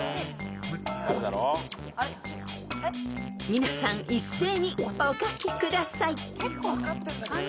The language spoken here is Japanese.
［皆さん一斉にお書きください］